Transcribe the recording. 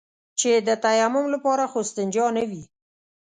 چې د تيمم لپاره خو استنجا نه وي.